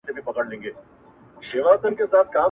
• چي هر څو یې مخ پر لوړه کړه زورونه -